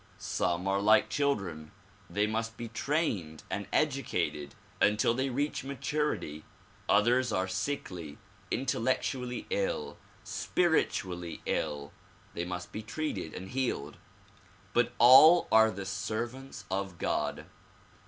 Some are like children ; they must be trained and edu cated until they reach maturity. Others are sickly, intellectually ill, spiritually ill ; they must be treated and healed. But all are the servants of God.